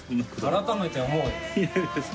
改めて思うよ。